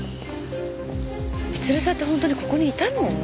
光留さんって本当にここにいたの？